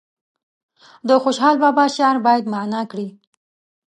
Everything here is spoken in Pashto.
د خوشحال بابا شعر باید معنا کړي.